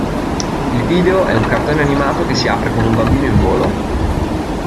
Il video è un cartone animato che si apre con un bambino in volo.